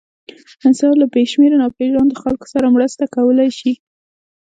انسان له بېشمېره ناپېژاندو خلکو سره مرسته کولی شي.